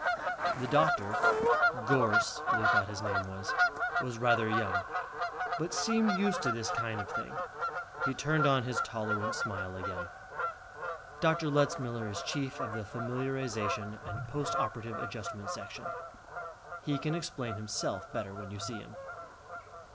The doctor, Gorss, Lee thought his name was, was rather young but seemed used to this kind of thing. He turned on his tolerant smile again. "Dr. Letzmiller is chief of the Familiarization and Post Operative Adjustment Section. He can explain himself better when you see him."